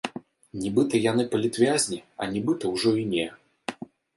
Нібыта яны палітвязні, а нібыта ўжо і не?